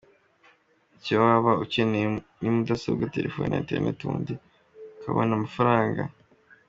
Icyo waba ukeneye ni mudasobwa, telefoni na internet ubundi ukabona amafaranga.